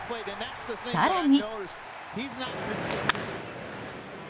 更に。